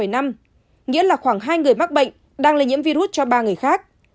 nghĩa là khoảng hai người mắc bệnh đang lây nhiễm virus cho ba người khác